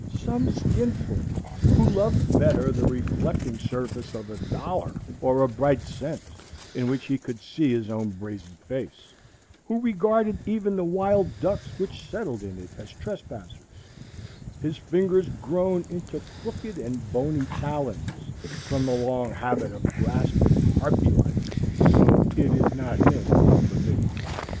Some skin flint, who loved better the reflecting surface of a dollar, or a bright cent, in which he could see his own brazen face; who regarded even the wild ducks which settled in it as trespassers; his fingers grown into crooked and horny talons from the long habit of grasping harpy like;—so it is not named for me.